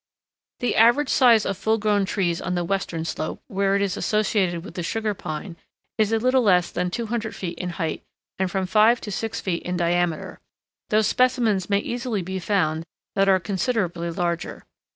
The average size of full grown trees on the western slope, where it is associated with the Sugar Pine, is a little less than 200 feet in height and from five to six feet in diameter, though specimens may easily be found that are considerably larger.